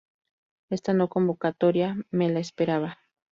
Esta no convocatoria me la esperaba.